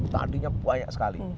tandinya banyak sekali